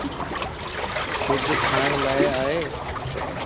ڪچھه کاڻ لا ائي؟